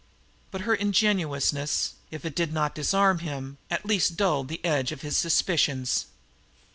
But her ingenuousness, if it did not disarm him, at least dulled the edge of his suspicions.